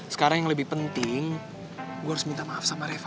sekarang yang lebih penting gue harus minta maaf sama reva